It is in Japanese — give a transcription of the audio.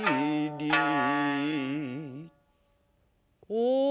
お！